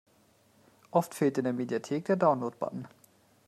Oft fehlt in der Mediathek der Download-Button.